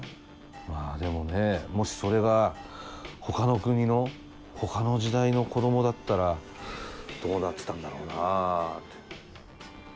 まあでもねもしそれがほかの国のほかの時代の子供だったらどうなってたんだろうなって。